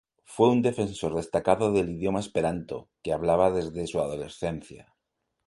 Fue un defensor destacado del idioma esperanto, que hablaba desde su adolescencia.